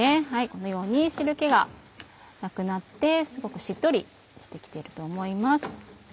このように汁気がなくなってすごくしっとりして来ていると思います。